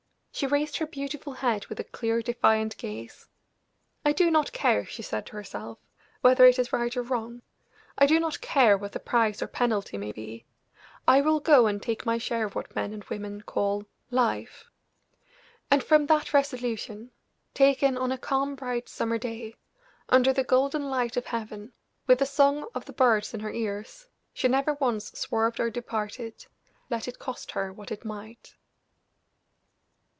She raised her beautiful head with a clear, defiant gaze. "I do not care," she said to herself, "whether it is right or wrong; I do not care what the price or penalty may be, I will go and take my share of what men and women call life." And from that resolution, taken on a calm, bright summer day, under the golden light of heaven, with the song of the birds in her ears, she never once swerved or departed, let it cost her what it might.